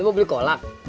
itu mau beli kolak